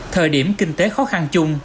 thời điểm kinh tế khó khăn chung